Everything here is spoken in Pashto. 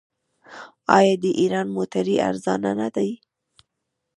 آیا د ایران موټرې ارزانه نه دي؟